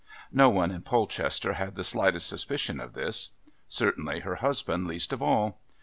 No one in Polchester had the slightest suspicion of this; certainly her husband least of all.